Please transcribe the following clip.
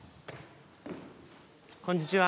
こんにちは。